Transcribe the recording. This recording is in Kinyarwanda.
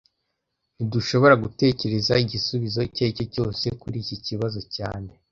Ntidushobora gutekereza igisubizo icyo ari cyo cyose kuri iki kibazo cyane